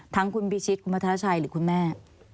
ทั้งคุณพิชิตคุณพัฒนาชัยหรือคุณแม่